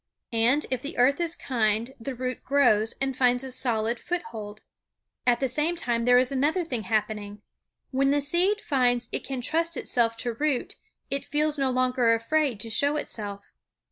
And if the earth is kind the root grows and finds a solid foothold. At the same time there is another thing happening. When the seed finds it can trust itself to root it feels no longer afraid to show itself.